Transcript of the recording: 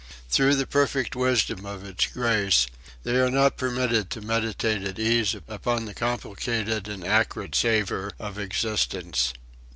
Through the perfect wisdom of its grace they are not permitted to meditate at ease upon the complicated and acrid savour of existence.